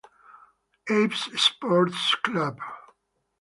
Aves sports club.